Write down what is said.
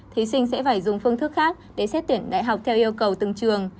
thí sinh sẽ phải dùng phương thức khác để xét tuyển đại học theo yêu cầu từng trường